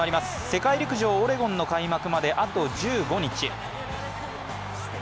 世界陸上オレゴンの開幕まであと１５日。